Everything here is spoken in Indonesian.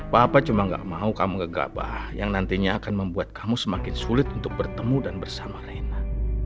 papa cuma gak mau kamu gegabah yang nantinya akan membuat kamu semakin sulit untuk bertemu dan bersama rena